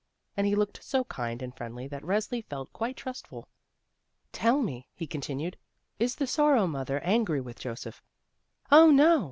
And he looked so kind and friendly that Resli felt quite trustful. "Tell me," he continued, "is the Sorrow mother angry with Joseph?" "Oh, no!